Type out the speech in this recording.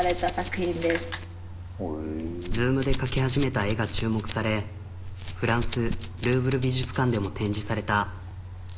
Ｚｏｏｍで描き始めた絵が注目されフランスルーブル美術館でも展示された。